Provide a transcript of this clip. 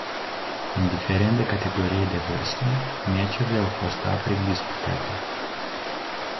Indiferent de categoria de vârstă, meciurile au fost aprig disputate.